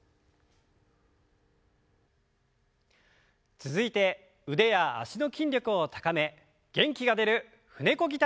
続いて腕や脚の筋力を高め元気が出る「舟こぎ体操」です。